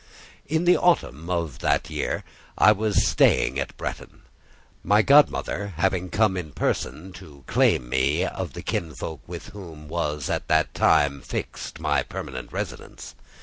In the autumn of the year —— I was staying at Bretton; my godmother having come in person to claim me of the kinsfolk with whom was at that time fixed my permanent residence.